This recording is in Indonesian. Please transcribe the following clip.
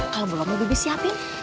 kalau belum mau bibi siapin